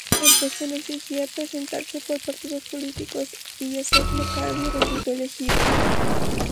El puesto no exigía presentarse por partidos políticos, y Joseph McCarthy resultó elegido.